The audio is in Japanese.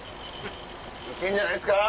行けんじゃないですか？